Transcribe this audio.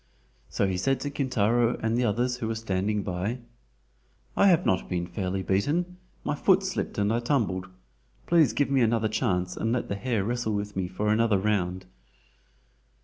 So he said to Kintaro and the others who were standing by: "I have not been fairly beaten. My foot slipped and I tumbled. Please give me another chance and let the hare wrestle with me for another round."